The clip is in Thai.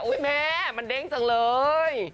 แม่มันเด้งจังเลย